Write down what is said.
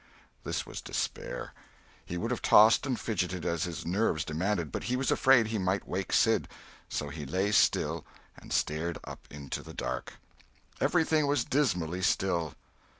This was despair. He would have tossed and fidgeted, as his nerves demanded, but he was afraid he might wake Sid. So he lay still, and stared up into the dark. Everything was dismally still.